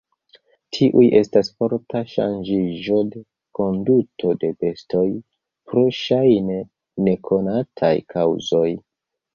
Tiuj estas forta ŝanĝiĝo de konduto de bestoj, pro ŝajne nekonataj kaŭzoj.